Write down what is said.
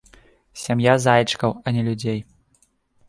Сям'я зайчыкаў, а не людзей.